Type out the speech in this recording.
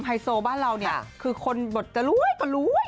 ไฮโซบ้านเราเนี่ยคือคนบทจะรวยก็รวย